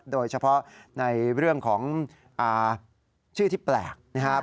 โดยเฉพาะในเรื่องของชื่อที่แปลกนะครับ